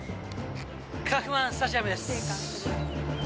カウフマンスタジアムです。